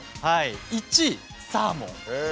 １位サーモン。